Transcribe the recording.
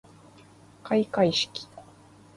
開会式